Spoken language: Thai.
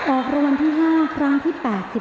ออกรางวัลที่๕ครั้งที่๘๙